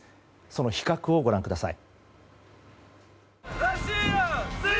その比較をご覧ください。